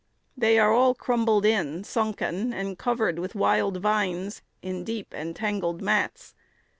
They are all crumbled in, sunken, and covered with wild vines in deep and tangled mats.